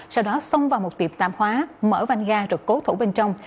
sau đó xông vào một tiệm tạp hóa mở vanh ga rồi cố thủ bên trong